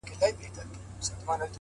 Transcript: په ساز جوړ وم، له خدايه څخه ليري نه وم،